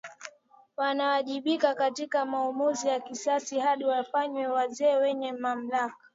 Wanawajibika katika maamuzi ya kisiasa hadi wafanywe wazee wenye mamlaka